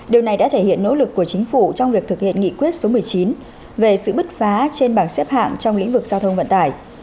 điều này đã thể hiện nỗ lực của chính phủ trong việc thực hiện nghị quyết số một mươi chín về sự bứt phá trên bảng xếp hạng trong lĩnh vực giao thông vận tải